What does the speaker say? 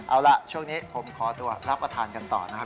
เอาล่ะช่วงนี้ผมขอตัวรับประทานกันต่อนะครับ